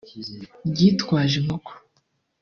ryitwaje inkoko